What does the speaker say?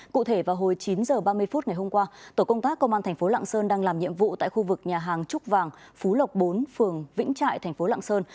cụ thể vào hồi chín h ba mươi phút ngày hôm qua tổ công tác công an thành phố lạng sơn đang làm nhiệm vụ tại khu vực nhà hàng trúc vàng phú lộc bốn phường vĩnh trại thành phố lạng sơn